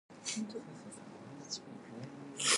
It is available in all parts of India.